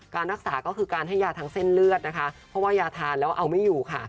การรักษาก็คือการให้ยาทางเส้นเลือดนะคะเพราะว่ายาทานแล้วเอาไม่อยู่ค่ะ